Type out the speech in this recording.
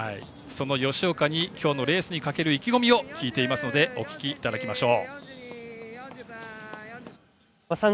吉岡に今日のレースにかける意気込みを聞いていますので聞いてみましょう。